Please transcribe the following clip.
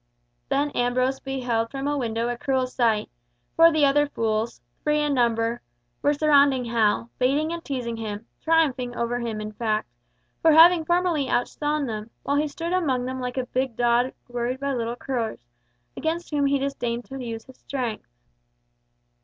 Then Ambrose beheld from a window a cruel sight, for the other fools, three in number, were surrounding Hal, baiting and teasing him, triumphing over him in fact, for having formerly outshone them, while he stood among them like a big dog worried by little curs, against whom he disdained to use his strength.